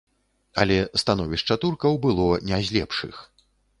Але становішча туркаў было не з лепшых.